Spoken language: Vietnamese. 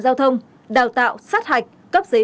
giao thông đào tạo sát hạch cấp giấy